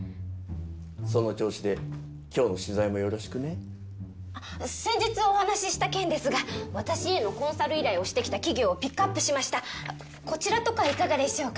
その調子で今日の取材もよろしくね先日お話しした件ですが私へのコンサル依頼をしてきた企業をピックアップしましたこちらとかいかがでしょうか？